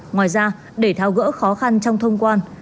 ngoài ra để tháo gỡ khó khăn trong thông quan